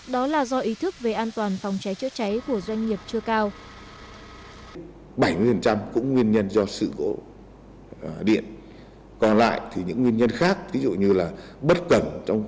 đó là do ý thức về an toàn phòng cháy chữa cháy của doanh nghiệp chưa cao